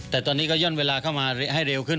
แต่ตอนนี้ก็ย่อนเวลาเข้ามาให้เร็วขึ้น